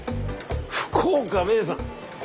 「福岡名産」。